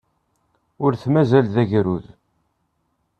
Ur t-mazal d agrud.